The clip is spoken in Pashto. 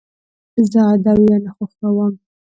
زه ادویه نه خوښوم.